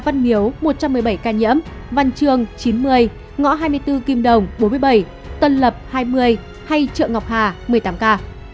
văn miếu một trăm một mươi bảy ca nhiễm văn chương chín mươi ngõ hai mươi bốn kim đồng bốn mươi bảy tân lập hai mươi hay chợ ngọc hà một mươi tám ca